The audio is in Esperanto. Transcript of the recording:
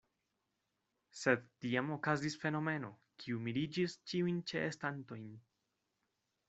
Sed tiam okazis fenomeno, kiu miriĝis ĉiujn ĉeestantojn.